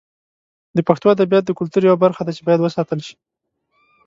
د پښتو ادبیات د کلتور یوه برخه ده چې باید وساتل شي.